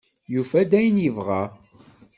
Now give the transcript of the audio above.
Yufa-d ayen yebɣa.